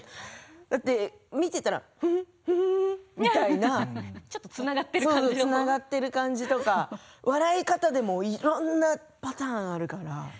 だって見ていたら「ふふ」、「ふふふふふ」つながっている感じとか笑い方でもいろんなパターンがあるから。